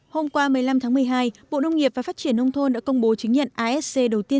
hôm qua một mươi năm tháng một mươi hai bộ nông nghiệp và phát triển nông thôn đã công bố chứng nhận asc đầu tiên